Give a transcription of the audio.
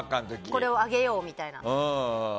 これを上げようみたいな。